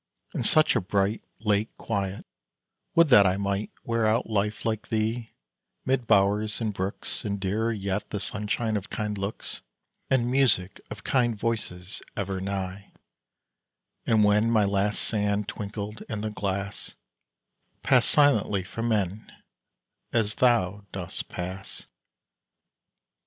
In such a bright, late quiet, would that I Might wear out life like thee, 'mid bowers and brooks, And dearer yet, the sunshine of kind looks, And music of kind voices ever nigh; And when my last sand twinkled in the glass, Pass silently from men, as thou dost pass.